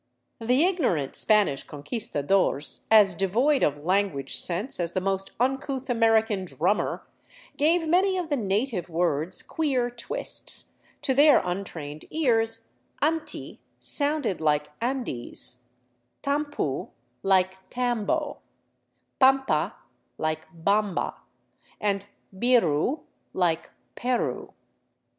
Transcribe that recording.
The ignorant Spanish Conquistadores, as devoid of " language sense '' as the most uncouth American " drummer," gave many of the native words queer twists; to their untrained ears Anti sounded like Andes, tampu like tambo, pampa like bamba, and Biru like Peru.